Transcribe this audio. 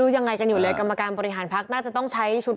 ยังไงกันอยู่เลยกรรมการบริหารพักน่าจะต้องใช้ชุด